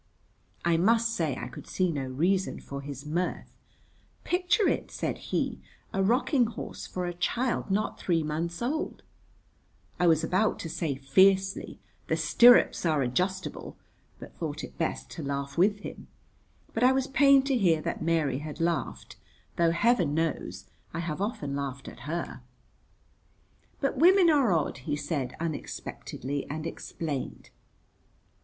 I must say I could see no reason for his mirth. "Picture it," said he, "a rocking horse for a child not three months old!" I was about to say fiercely: "The stirrups are adjustable," but thought it best to laugh with him. But I was pained to hear that Mary had laughed, though heaven knows I have often laughed at her. "But women are odd," he said unexpectedly, and explained.